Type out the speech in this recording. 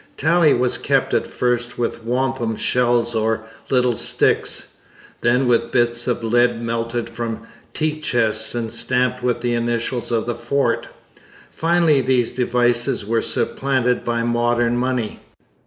Tally was kept at first with wampum shells or little sticks; then with bits of lead melted from teachests and stamped with the initials of the fort. Finally these devices were supplanted by modern money.